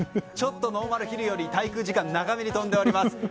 ちょっとノーマルヒルより滞空時間長めに飛んでおります。